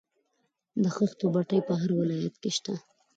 د خښتو بټۍ په هر ولایت کې شته